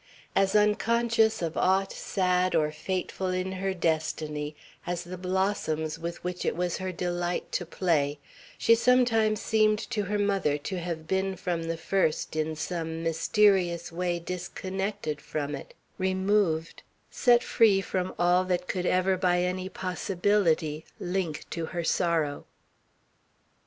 As unconscious of aught sad or fateful in her destiny as the blossoms with which it was her delight to play, she sometimes seemed to her mother to have been from the first in some mysterious way disconnected from it, removed, set free from all that could ever by any possibility link her to sorrow.